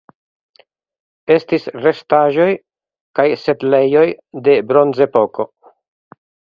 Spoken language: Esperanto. Estis restaĵoj kaj setlejoj de Bronzepoko.